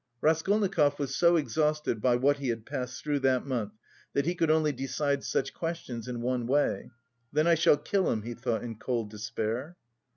Raskolnikov was so exhausted by what he had passed through that month that he could only decide such questions in one way; "then I shall kill him," he thought in cold despair.